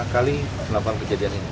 lima kali selapan kejadian ini